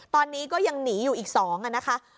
ตอนนี้ก็ยังหนีอยู่อีก๒นะคะ